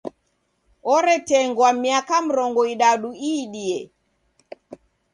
Oretengwa miaka mrongo idadu iidie.